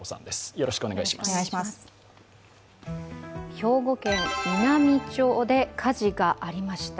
兵庫県稲美町で火事がありました。